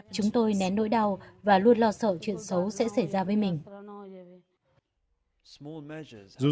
chúng tôi nén nỗi đau và luôn lo sợ chuyện xấu sẽ xảy ra với mình